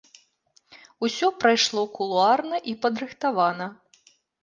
Усё прайшло кулуарна і падрыхтавана.